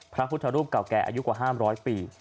พระพุทธรูปเก่าแก่อายุกว่า๕๐๐ปี